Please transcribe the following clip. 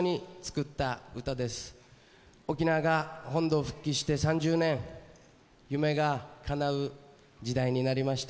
沖縄が本土復帰して３０年夢がかなう時代になりました。